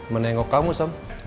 menengok kamu sam